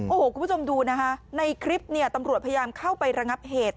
โอ้โหคุณผู้ชมดูนะคะในคลิปเนี่ยตำรวจพยายามเข้าไประงับเหตุ